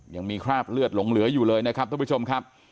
ยังมีคราบเลือดหลงเหลืออยู่เลยนะครับท่านผู้ชมครับ